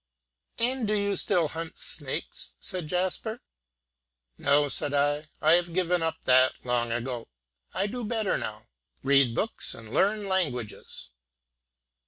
"And do you still hunt snakes?" said Jasper. "No," said I, "I have given up that long ago; I do better now: read books and learn languages."